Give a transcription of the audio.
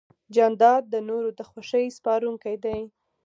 جانداد د نورو د خوښۍ سپارونکی دی.